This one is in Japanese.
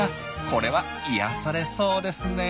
これは癒やされそうですねえ。